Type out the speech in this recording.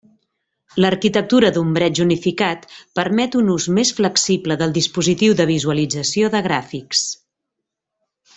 L'arquitectura d'ombreig unificat permet un ús més flexible del dispositiu de visualització de gràfics.